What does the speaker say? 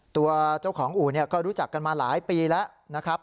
ตัวเจ้าของอู่ก็รู้จักกันมาหลายปีแล้วนะครับ